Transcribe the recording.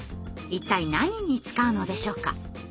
一体何に使うのでしょうか？